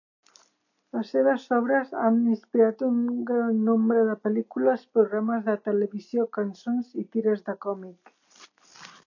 Les seves obres han inspirat un gran nombre de pel·lícules, programes de televisió, cançons i tires de còmic.